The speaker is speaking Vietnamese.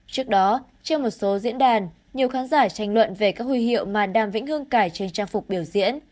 trước đó trên một số diễn đàn nhiều khán giả tranh luận về các huy hiệu mà đàm vĩnh hương cải trên trang phục biểu diễn